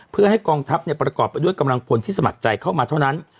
เพื่อให้กองทัพประกอบไปด้วยกำลังพลที่สมัครใจเข้ามาเท่านั้น